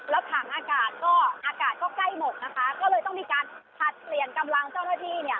แล้วถังอากาศก็อากาศก็ใกล้หมดนะคะก็เลยต้องมีการผลัดเปลี่ยนกำลังเจ้าหน้าที่เนี่ย